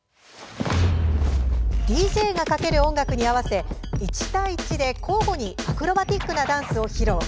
ＤＪが、かける音楽に合わせ１対１で、交互にアクロバティックなダンスを披露。